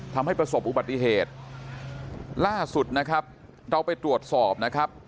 ทำให้ประสบอุบัติเหตุล่าสุดนะครับเราไปตรวจสอบนะครับ